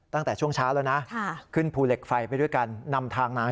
ตั้งแต่ช่วงช้าแล้วนะ